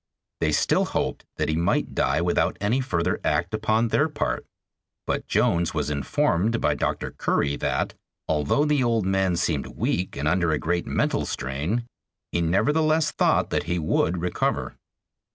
They still hoped that he might die without any further act upon their part, but Jones was informed by Dr. Curry that, although the old man seemed weak and under a great mental strain, he nevertheless thought that he would recover.